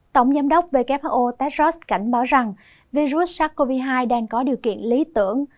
tổng giám đốc who techos cảnh báo rằng virus sars cov hai đang có điều kiện lý tưởng